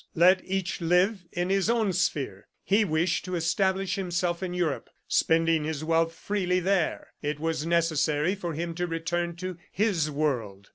Let each live in his own sphere. He wished to establish himself in Europe, spending his wealth freely there. It was necessary for him to return to "his world."